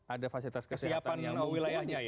ada fasilitas kesehatan yang mumpuni